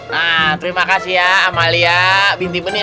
nah terima kasih ya amalia binti beni